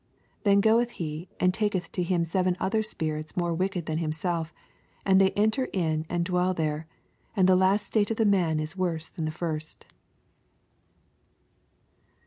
26 Then goeth he, and taketh to him seven other spirits more wicked than himself ; ana they enter in, and dwell there: and the last state oithsX man is worse than the first.